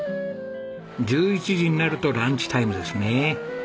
１１時になるとランチタイムですね。